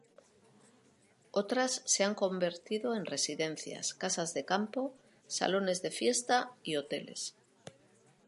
Otras se han convertido en residencias, casas de campo, salones de fiesta y hoteles.